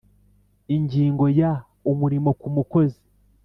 Ingingo ya umurimo ku mukozi